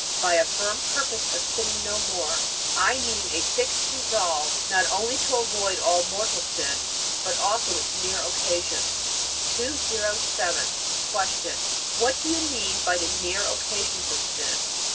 By a firm purpose of sinning no more I mean a fixed resolve not only to avoid all mortal sin, but also its near occasions. 207. Q. What do you mean by the near occasions of sin?